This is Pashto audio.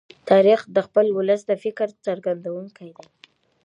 تاریخ د خپل ولس د فکر څرګندونکی دی.